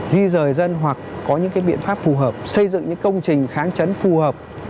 di rời dân hoặc có những biện pháp phù hợp xây dựng những công trình kháng chấn phù hợp